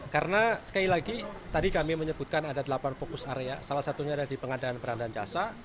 karena sekali lagi tadi kami menyebutkan ada delapan fokus area salah satunya ada di pengadaan barang dan jasa